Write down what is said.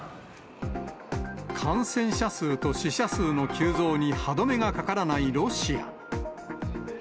感染者数と死者数の急増に歯止めがかからないロシア。